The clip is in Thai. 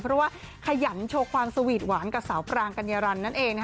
เพราะว่าขยันโชว์ความสวีทหวานกับสาวปรางกัญญารันนั่นเอง